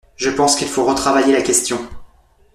Je pense qu’il faut retravailler la question.